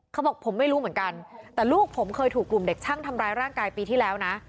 เขาบอกผมไม่รู้เหมือนกันแต่ลูกผมเคยถูกกลุ่มเด็กช่างทำร้ายร่างกายปีที่แล้วนะ